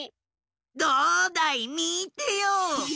どうだいみてよ！